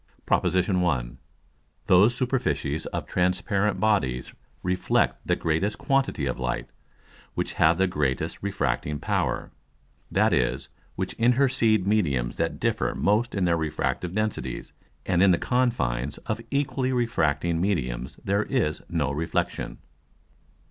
PROP. I. _Those Superficies of transparent Bodies reflect the greatest quantity of Light, which have the greatest refracting Power; that is, which intercede Mediums that differ most in their refractive Densities. And in the Confines of equally refracting Mediums there is no Reflexion.